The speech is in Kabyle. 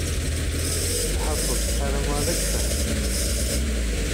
Lḥaṣul, ssarameɣ ad k-fehment.